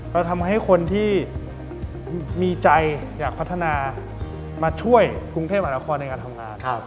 ทำให้คนที่มีใจอยากพัฒนามาช่วยกรุงเทพมหานครในการทำงาน